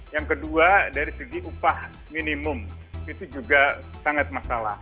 yang kedua dari segi upah minimum itu juga sangat masalah